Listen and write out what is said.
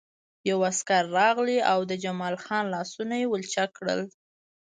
یو عسکر راغی او د جمال خان لاسونه یې ولچک کړل